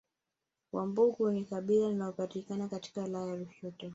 Wambugu ni kabila linalopatikana katika wilaya ya Lushoto